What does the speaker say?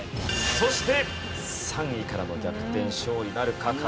そして３位からの逆転勝利なるか？